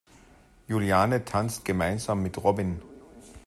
Juliane tanzt gemeinsam mit Robin.